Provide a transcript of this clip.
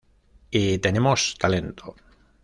Y tenemos talento.